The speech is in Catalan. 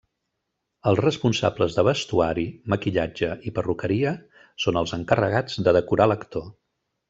Els responsables de vestuari, maquillatge i perruqueria són els encarregats de 'decorar' l'actor.